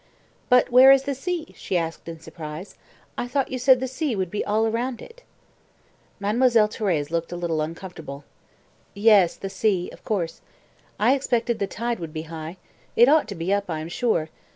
"But where is the sea?" she asked in surprise. "I thought you said the sea would be all round it." Mademoiselle Thérèse looked a little uncomfortable. "Yes, the sea of course. I expected the tide would be high. It ought to be up, I am sure.